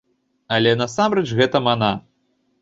Але насамрэч гэта мана.